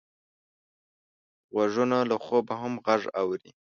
غوږونه له خوبه هم غږ اوري